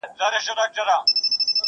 زموږ د سندرو د ښادیو وطن.!